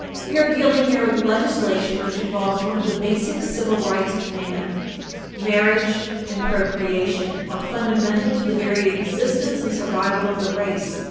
We are dealing here with legislation which involves one of the basic civil rights of man. Marriage and procreation are fundamental to the very existence and survival of the race.